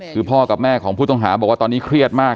คือพ่อกับแม่ของผู้ต้องหาบอกว่าตอนนี้เครียดมาก